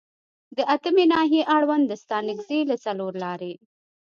د اتمې ناحیې اړوند د ستانکزي له څلورلارې